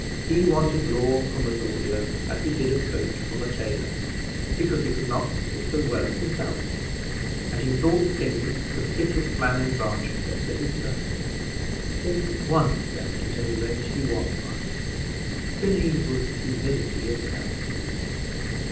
He wanted law from a lawyer as he did a coat from a tailor, because he could not make it so well himself; and he thought Finney the fittest man in Barchester for his purpose. In one respect, at any rate, he was right: Finney was humility itself.